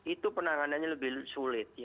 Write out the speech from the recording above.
itu penanganannya lebih sulit